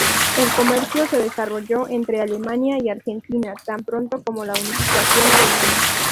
El comercio se desarrolló entre Alemania y Argentina tan pronto como la Unificación Alemana.